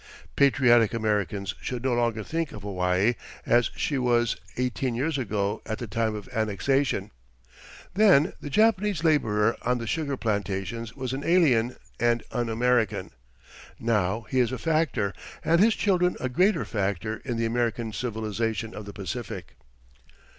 Patriotic Americans should no longer think of Hawaii as she was eighteen years ago at the time of annexation. Then the Japanese labourer on the sugar plantations was an alien and un American. Now he is a factor and his children a greater factor in the American civilization of the Pacific!